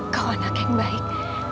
kau anak yang baik